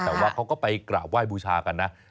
แต่ว่าเขาก็ไปกราบไหว้บูชากันนะ